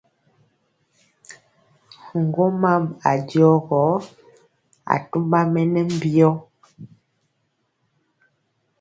Ŋgomam a jɔ gɔ, atumba mɛ nɛ mbiyɔ.